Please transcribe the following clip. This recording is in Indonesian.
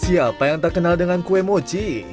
siapa yang tak kenal dengan kue mochi